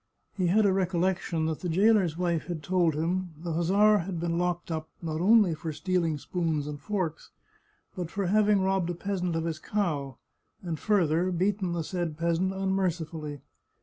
He had a recollec tion that the jailer's wife had told him the hussar had been locked up, not only for stealing spoons and forks, but for having robbed a peasant of his cow, and further beaten the said peasant unmercifully.